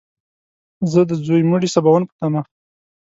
زه د ځوی مړي سباوون په تمه !